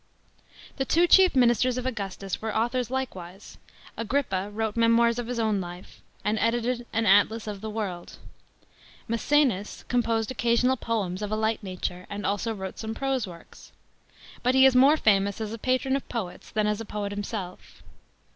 f The two chief ministers of Augustus were authors likewise AGEIPPA wrote memoirs of his own life, and edited an Atlas of the world. M.ECENA8 composed occasional poems of a li'j; ht nature, and also wrote some prose works. But he is more famous as a patron of poets than as a poet himself.